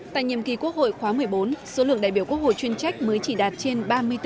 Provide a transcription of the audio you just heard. tại nhiệm kỳ quốc hội khóa một mươi bốn số lượng đại biểu quốc hội chuyên trách mới chỉ đạt trên ba mươi bốn